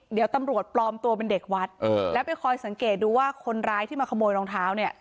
เดี๋ยวตำรวจปลอมตัวเป็นเด็กวัดแล้วไปคอยสังเกตดูว่าคนร้ายที่มาขโมยรองเท้าเนี่ย